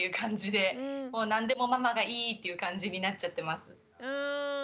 何でもママがいいっていう感じになっちゃってます。